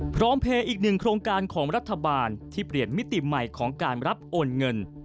เพลย์อีกหนึ่งโครงการของรัฐบาลที่เปลี่ยนมิติใหม่ของการรับโอนเงิน